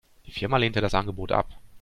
Die Firma lehnte das Angebot ab.